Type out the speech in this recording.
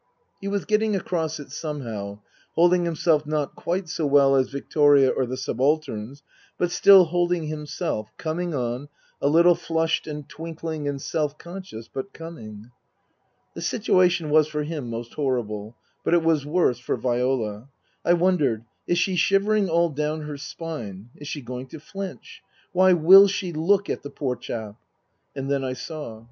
He was getting across it somehow, holding himself not quite so well as Victoria or the subalterns, but still holding himself, coming on, a little flushed and twinkling and self conscious, but coming. The situation was, for him, most horrible ; but it was worse for Viola. I wondered : Is she shivering all down her spine ? Is she going to flinch ? Why will she look at the poor chap ? And then I saw.